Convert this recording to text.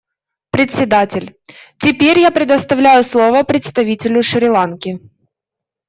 Председатель: Теперь я предоставляю слово представителю Шри-Ланки.